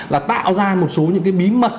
là tạo ra một số những cái bí mật